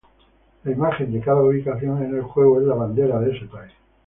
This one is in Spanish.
La imagen de cada ubicación en el juego es la bandera de ese país.